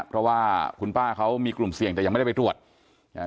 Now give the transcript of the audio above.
เพราะว่าคุณป้าเขามีกลุ่มเสี่ยงแต่ยังไม่ได้ไปตรวจอ่า